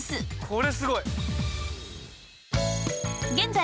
「これすごい」現在。